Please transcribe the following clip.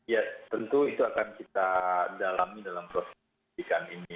ya tentu itu akan kita dalami dalam proses penyelidikan ini